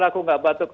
aku tidak patut